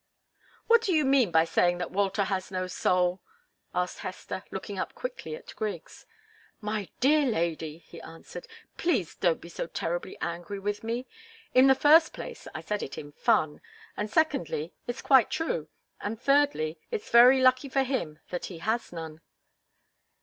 "What do you mean by saying that Walter has no soul?" asked Hester, looking up quickly at Griggs. "My dear lady," he answered, "please don't be so terribly angry with me. In the first place, I said it in fun; and secondly, it's quite true; and thirdly, it's very lucky for him that he has none."